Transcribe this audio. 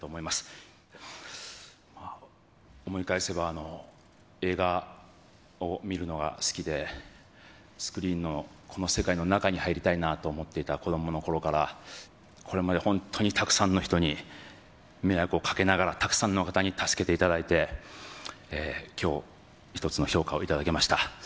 まあ、思い返せば、映画を見るのが好きで、スクリーンの、この世界の中に入りたいなと思っていた子どものころから、これまで本当にたくさんの人に迷惑をかけながら、たくさんの方に助けていただいて、きょう、一つの評価を頂けました。